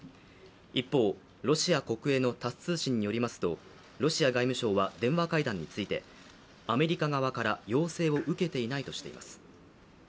一方、ロシア国営のタス通信によりますとロシア外務省は、電話会談についてアメリカ側から要請を受けていないとしています。